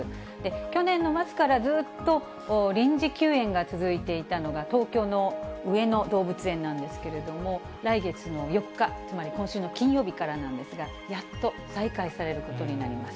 去年の末からずっと臨時休園が続いていたのが、東京の上野動物園なんですけれども、来月の４日、つまり今週の金曜日からなんですが、やっと再開されることになります。